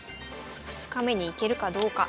２日目に行けるかどうか。